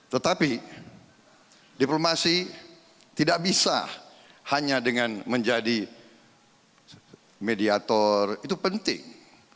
tetapi diplomasi tidak bisa hanya dengan menjadi mediator itu penting